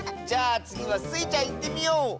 じゃあつぎはスイちゃんいってみよう！